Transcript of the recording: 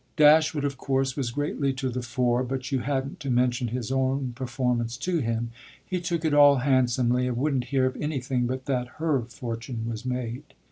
Dashwood of course was greatly to the fore, but you hadn't to mention his own performance to him: he took it all handsomely and wouldn't hear of anything but that her fortune was made.